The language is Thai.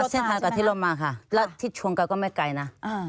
เส้นทางกว่าที่เรามาค่ะแล้วที่ชวนกันก็ไม่ไกลนะ